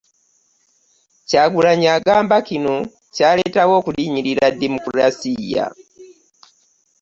Kyagulanyi agamba kino kyaleetawo okulinnyirira demokulasiya